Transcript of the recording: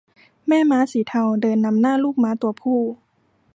แม่ม้าสีเทาเดินนำหน้าลูกม้าตัวผู้